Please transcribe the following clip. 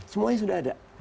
semuanya sudah ada